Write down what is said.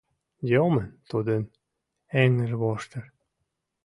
«Йомын» тудын эҥырвоштыр.